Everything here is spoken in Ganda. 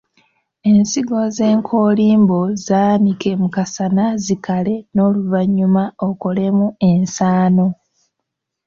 Ensigo z’enkoolimbo zaanike mu kasana zikale n’oluvannyuma okolemu ensaano.